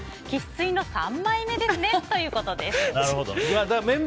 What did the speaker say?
生粋の三枚目ですねということです。